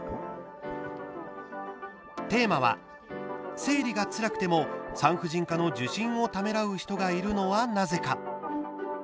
テーマは、「生理がつらくても産婦人科の受診をためらう人がいるのはなぜか」。